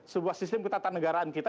sebuah sistem ketatanegaraan kita